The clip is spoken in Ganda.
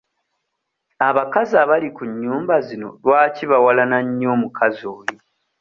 Abakazi abali ku nnyumba zino lwaki bawalana nnyo omukazi oyo?